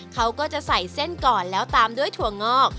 เขาก็จะใส่เส้นก่อนแล้วตามด้วยถั่วงอก